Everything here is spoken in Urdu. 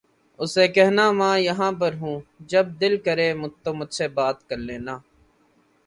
اسے کہنا ماں یہاں پر ہوں جب دل کرے تو مجھ سے بات کر لینا